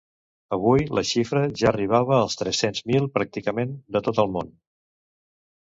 Avui la xifra ja arribava a tres-cents mil, pràcticament de tot el món.